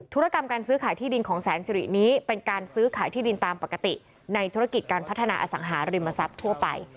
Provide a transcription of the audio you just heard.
ธุรกรรมการซื้อขายที่ดินของแสนสิรินี้เป็นการซื้อขายที่ดินตามปกติในธุรกิจการพัฒนาอสังหาริมทรัพย์ทั่วไป